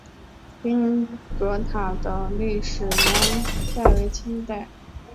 凌云阁塔的历史年代为清代。